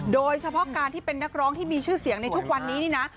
โดยเฉพาะการที่เป็นนักร้องที่มีชื่อเสียงในทุกวันนี้นี่นะ